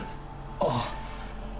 ああ。